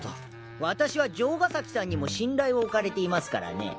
わたしは城ヶ崎さんにも信頼をおかれていますからね。